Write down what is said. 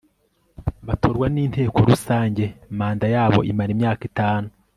batorwa n Inteko Rusange Manda yabo imara imyaka itanu